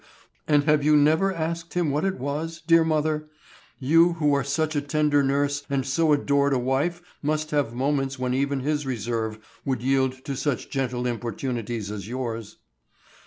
"And have you never asked him what it was, dear mother? You who are such a tender nurse and so adored a wife must have moments when even his reserve would yield to such gentle importunities as yours."